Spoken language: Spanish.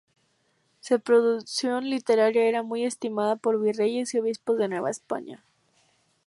Su producción literaria era muy estimada por virreyes y obispos de Nueva España.